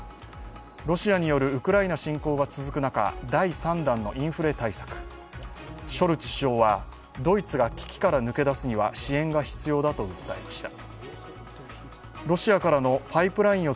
ロシアによるウクライナ侵攻が続く中、第３弾のインフレ対策、ショルツ首相はドイツが危機から抜け出すには支援が必要だと訴えました。